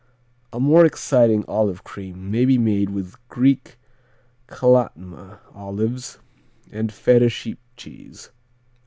A more exciting olive cream may be made with Greek Calatma olives and Feta sheep cheese.